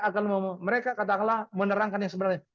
akan mereka katakanlah menerangkan yang sebenarnya